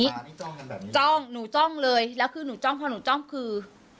หนูจ้องหนูจ้องเลยแล้วคือหนูจ้องพอหนูจ้องคือ